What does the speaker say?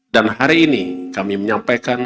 dan hari ini kami menyampaikan